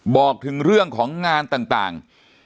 บอกถึงเรื่องของงานต่าง